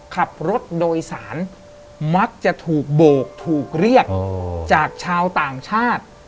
ขับรถโดยสารมักจะถูกโบกถูกเรียกจากชาวต่างชาติ